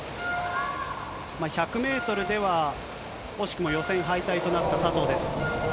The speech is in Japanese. １００メートルでは惜しくも予選敗退となった佐藤です。